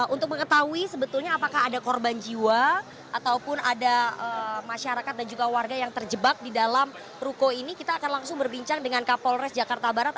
untuk mengetahui sebetulnya apakah ada korban jiwa ataupun ada masyarakat dan juga warga yang terjebak di dalam ruko ini kita akan langsung berbincang dengan kapolres jakarta barat